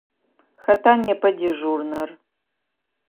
Хэта непэ дежурнэр?